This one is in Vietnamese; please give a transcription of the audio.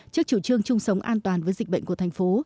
trước chủ trương chung sống an toàn với dịch bệnh của thành phố